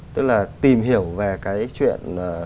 tức là tìm hiểu về cái chuyện